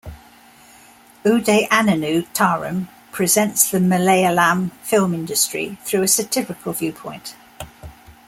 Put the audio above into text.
"Udayananu Tharam" presents the Malayalam film industry through a satirical viewpoint.